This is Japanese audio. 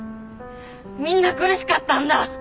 みんな苦しかったんだ。